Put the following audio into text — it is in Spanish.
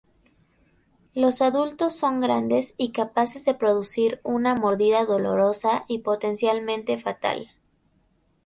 Los adultos son grandes y capaces de producir una mordida dolorosa y potencialmente fatal.